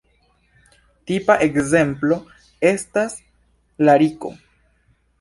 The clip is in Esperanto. Tipa ekzemplo estas lariko.